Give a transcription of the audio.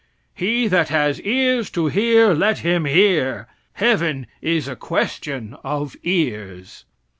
He that has ears to hear let him hear. Heaven is a question of ears."